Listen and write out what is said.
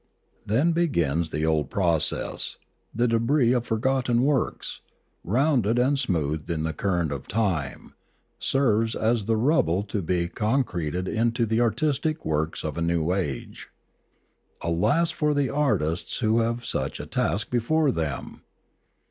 Then begins the old process; the debris of forgotten works, rounded and smoothed in the current of time, serves as the rubble to be concreted into the artistic works of a new age. Alas for the artists who have such a task before them